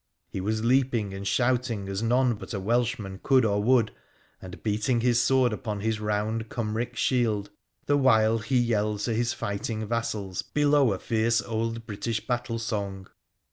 He was leaping and shouting as none but a Welshman could or would, and beating his sword upon his round Cymric shield, the while he yelled to his fighting vassals below a fierce old British battle song.